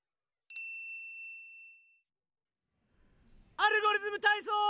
「アルゴリズムたいそう」！